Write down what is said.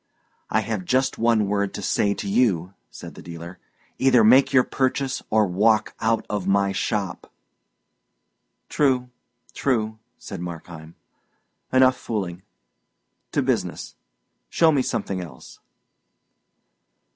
"I have just one word to say to you," said the dealer. "Either make your purchase, or walk out of my shop." "True, true," said Markheim. "Enough fooling. To business. Show me something else."